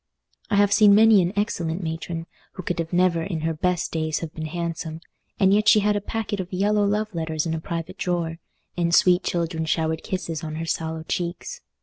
I have seen many an excellent matron, who could have never in her best days have been handsome, and yet she had a packet of yellow love letters in a private drawer, and sweet children showered kisses on her sallow cheeks.